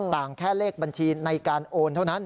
แค่เลขบัญชีในการโอนเท่านั้น